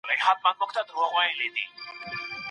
قران کریم د ظلم او زیاتي مخنیوی کوي.